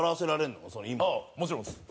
もちろんです。